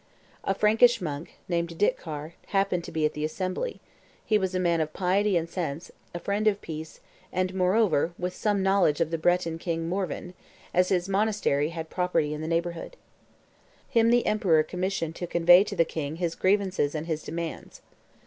A Frankish monk, named Ditcar, happened to be at the assembly: he was a man of piety and sense, a friend of peace, and, moreover, with some knowledge of the Breton king Morvan, as his monastery had property in the neighborhood. Him the emperor commissioned to convey to the king his grievances and his demands.